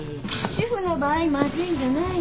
主婦の場合まずいんじゃないの？